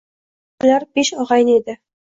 Ular besh og`ayni edi